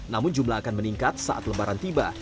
namun jumlah akan meningkat saat lebaran tiba